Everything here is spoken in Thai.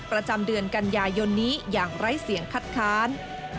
ประจำเดือนกันยายนนี้อย่างไร้เสียงคัดค้าน